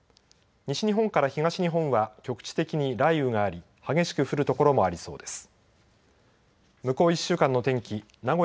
西日本から東日本は局地的に雷雨があり激しく降る所もありそうです。